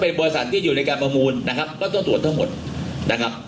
เป็นบริษัทที่อยู่ในการประมูลนะครับก็ต้องตรวจทั้งหมดนะครับ